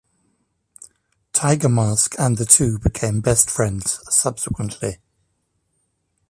Tiger Mask, and the two became best friends subsequently.